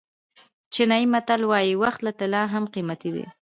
چینایي متل وایي وخت له طلا نه هم قیمتي دی.